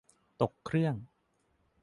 ตกเครื่อง